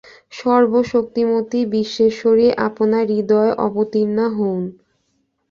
সর্বশক্তিমতী বিশ্বেশ্বরী আপনার হৃদয়ে অবতীর্ণা হউন।